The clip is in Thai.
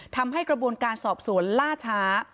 ทำให้กระบวนการสอบสวนล่าช้า